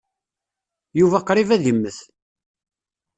Yuba qṛib ad immet.